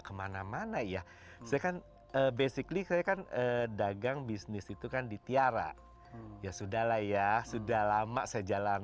kemana mana ya saya kan basically saya kan dagang bisnis itu kan di tiara ya sudah lah ya sudah lama saya jalan